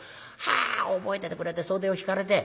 はあ覚えててくれて袖を引かれて。